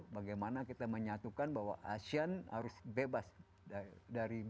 bagaimana kita menyatukan bahwa asian harus bebas dari narkoba